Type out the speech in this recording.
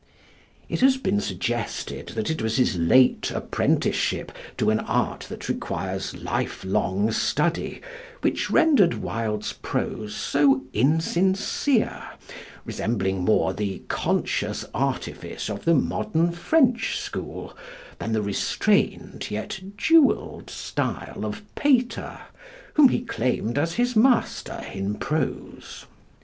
It has been suggested that it was his late apprenticeship to an art that requires life long study which rendered Wilde's prose so insincere, resembling more the conscious artifice of the modern French school than the restrained, yet jewelled style of Pater, whom he claimed as his master in prose.